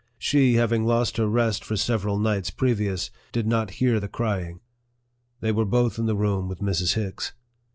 She, having lost her rest for several nights pre vious, did not hear the crying. They were both in the room with Mrs. Hicks.